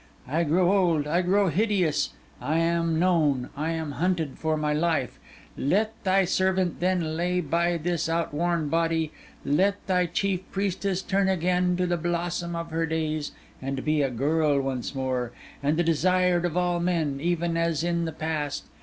I grow old, I grow hideous; I am known, I am hunted for my life: let thy servant then lay by this outworn body; let thy chief priestess turn again to the blossom of her days, and be a girl once more, and the desired of all men, even as in the past!